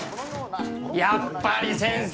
やっぱり先生